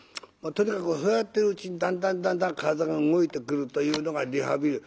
とにかくそうやってるうちにだんだんだんだん体が動いてくるというのがリハビリ。